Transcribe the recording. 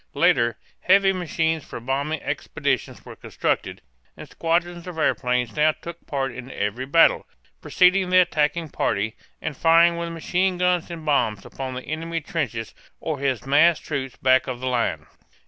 Later, heavy machines for bombing expeditions were constructed; and squadrons of airplanes now took part in every battle, preceding the attacking party, and firing with machine guns and bombs upon the enemy's trenches or his massed troops back of the line.